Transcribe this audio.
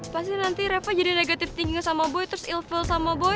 pasti nanti reva jadi negatif tinggi sama boy terus ilfil sama boy